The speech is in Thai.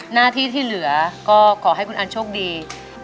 หน้าที่ที่เหลือก็ขอให้คุณอันโชคดี